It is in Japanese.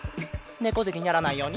ねこぜにならないように！